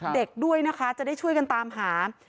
เด็กด้วยนะคะจะได้ช่วยกันตามหา